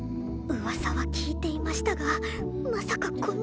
噂は聞いていましたがまさかこんな。